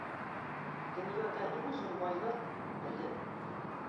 Дөньяда иң зур байлык — белем.